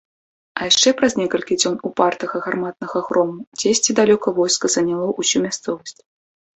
А яшчэ праз некалькі дзён упартага гарматнага грому дзесьці далёка войска заняло ўсю мясцовасць.